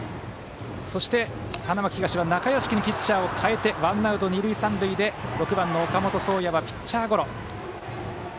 そして花巻東は中屋敷にピッチャーを代えてワンアウト、二塁三塁で６番、岡本壮矢はピッチャーゴロ。